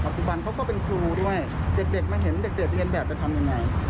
ปัจจุบันเขาก็เป็นครูด้วยเด็กมาเห็นเด็กเรียนแบบจะทำยังไง